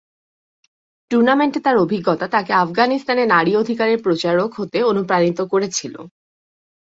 টুর্নামেন্টে তার অভিজ্ঞতা তাকে আফগানিস্তানে নারীর অধিকারের প্রচারক হতে অনুপ্রাণিত হয়েছিল।